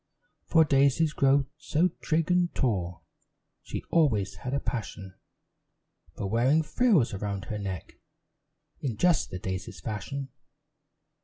For daisies grow so trig and tall! She always had a passion For wearing frills around her neck, In just the daisies' fashion.